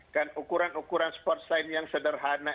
kan ukuran ukuran sport sign yang sederhana